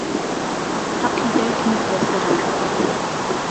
حهقی دایکمت لهسهره